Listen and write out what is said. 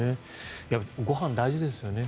ご飯、大事ですよね。